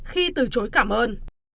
khi từ chối cảm ơn